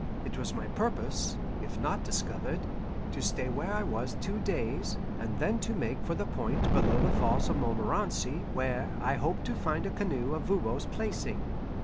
It was my purpose, if not discovered, to stay where I was two days, and then to make for the point below the Falls of Montmorenci where I hoped to find a canoe of Voban's placing.